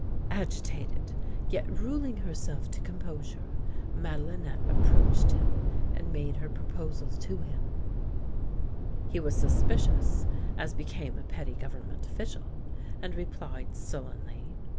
Agitated, yet ruling herself to com posure, Madehnette approached him and made her pro posal to himi. He was suspicious, as became a petty Government official, and replied sullenly.